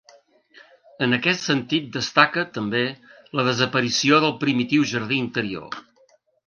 En aquest sentit destaca, també, la desaparició del primitiu jardí interior.